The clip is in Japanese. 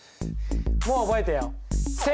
もう覚えたよ。